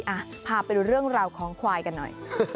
อ่ะพาไปดูเรื่องราวของควายกันหน่อย